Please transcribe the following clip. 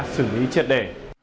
xử lý triệt đề